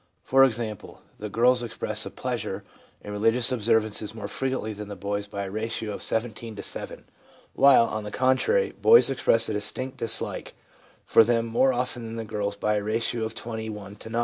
For example, the girls express a pleasure in religious observances more frequently than the boys by a ratio of 17 to 7 ; while, on the contrary, boys express a distinct dislike for them more often than the girls by a ratio of 21 to 9.